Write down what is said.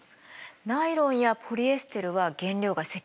ナイロンやポリエステルは原料が石油でしょ？